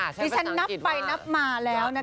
ที่ฉันนับไปนับมาแล้วนะคะ